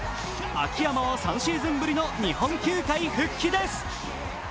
秋山は３シーズンぶりの日本球界復帰です。